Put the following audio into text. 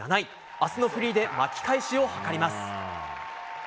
明日のフリーで巻き返しを図ります。